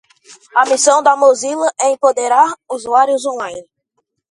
A missão da Mozilla é empoderar usuários online.